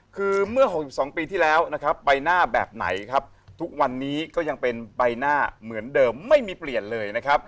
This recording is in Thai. คือเมื่อ๖๒ปีที่แล้วนะครับใบหน้าแบบไหนครับทุกวันนี้ก็ยังเป็นใบหน้าเหมือนเดิมไม่มีเปลี่ยนเลยนะครับ